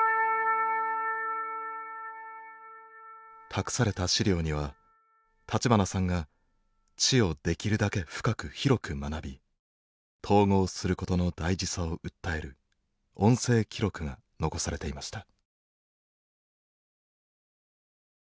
託された資料には立花さんが知をできるだけ深く広く学び統合することの大事さを訴える音声記録が残されていました。